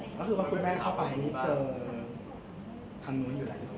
แล้วคือว่าคุณแม่เข้าตรงนี้เจอทางนู้นอยู่หรือเปล่า